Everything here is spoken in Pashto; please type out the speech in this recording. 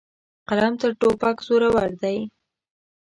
قلم تر توپک زورور دی.